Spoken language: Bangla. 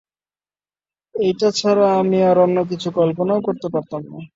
এইটা ছাড়া আমি আর অন্যকিছু কল্পনাও করতে পারতাম না।